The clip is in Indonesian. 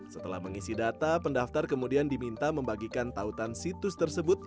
setelah mengisi data pendaftar kemudian diminta membagikan tautan situs tersebut